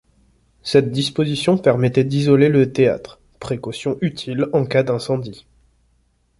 Cette disposition permettait d'isoler le théâtre, précaution utile en cas d'incendie.